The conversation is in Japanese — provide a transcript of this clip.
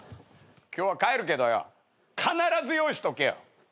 今日は帰るけどよ必ず用意しとけよ。